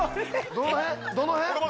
どの辺？